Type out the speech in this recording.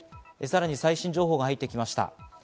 最新情報が入ってきました。